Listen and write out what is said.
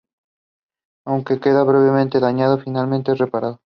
Aunque queda gravemente dañado, finalmente es reparado.